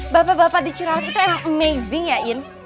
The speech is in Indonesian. bapak bapak di cirawat itu emang amazing ya in